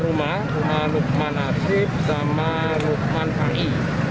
rumah nukman nasib sama rumah pak i